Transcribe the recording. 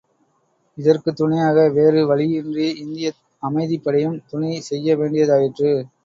இதற்குத் துணையாக வேறு வழியின்றி இந்திய அமைதிப்படையும் துணை செய்ய வேண்டியதாயிற்று.